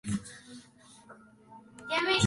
Se le ruega al dueño de esta organización mejorarlo.